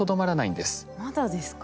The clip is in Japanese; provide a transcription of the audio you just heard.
まだですか？